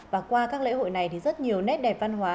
và qua các lễ hội này thì rất nhiều nét đẹp văn hóa